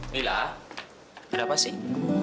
lila ada apa sih